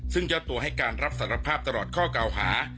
ซึ่งเจ้าตัวให้การรับสารภาพตลอดข้อกล่าวหา